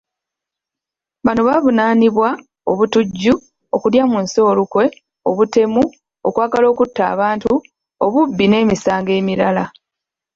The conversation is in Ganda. Bano baavunaanibwa; obutujju, okulya mu nsi olukwe, obutemu, okwagala okutta abantu, obubbi n'emisango emirala.